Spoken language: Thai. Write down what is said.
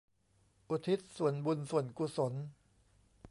อุทิศส่วนบุญส่วนกุศล